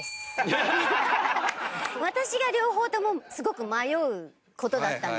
私が両方ともすごく迷う事だったんですよ。